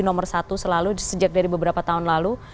nomor satu selalu sejak dari beberapa tahun lalu